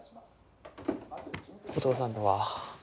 お義父さんとは？